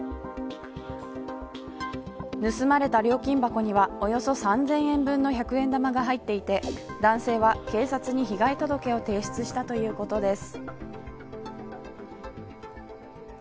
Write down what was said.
盗まれた料金箱にはおよそ３０００円分の１００円玉が入っていて男性は警察に被害届を提出したということです。